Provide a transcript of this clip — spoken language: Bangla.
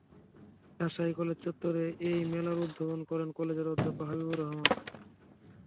রাজশাহী কলেজ চত্বরে এই মেলার উদ্বোধন করেন কলেজের অধ্যক্ষ হবিবুর রহমান।